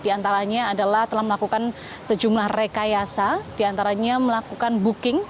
di antaranya adalah telah melakukan sejumlah rekayasa diantaranya melakukan booking